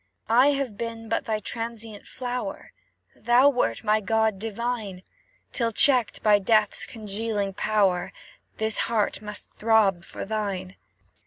I have been but thy transient flower, Thou wert my god divine; Till checked by death's congealing power, This heart must throb for thine.